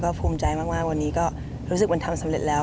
ภูมิใจมากวันนี้ก็รู้สึกมันทำสำเร็จแล้ว